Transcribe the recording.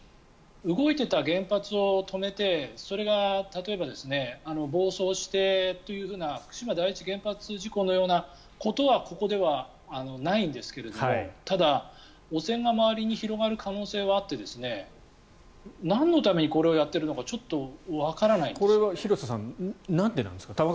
動いていた原発を止めてそれが例えば暴走してという福島第一原発事故のようなことはここではないんですがただ、汚染が周りに広がる可能性はあってなんのためにこれをやっているのかちょっとわからないですね。